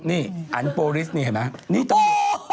นี่อันโปรลิสนี่เห็นไหม